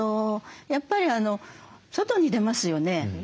やっぱり外に出ますよね。